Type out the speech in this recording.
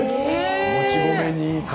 もち米に。